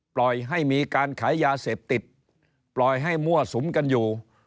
ปล่อยให้มีการขายยาเสพติดปล่อยให้มั่วสุมกันอยู่